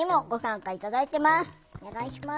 お願いします。